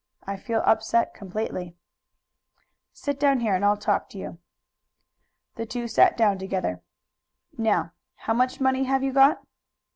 I feel upset completely." "Sit down here and I'll talk to you." The two sat down together. "Now, how much money have you got?"